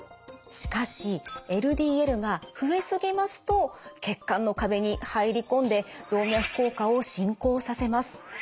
しかしＬＤＬが増えすぎますと血管の壁に入り込んで動脈硬化を進行させます。